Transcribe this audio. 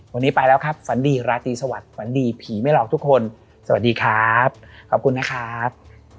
วันนี้ไปแล้วครับฝันดีราตรีสวัสดิฝันดีผีไม่หลอกทุกคนสวัสดีครับขอบคุณนะครับ